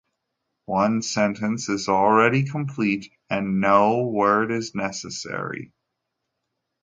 One sentence is already complete and no word is necessary.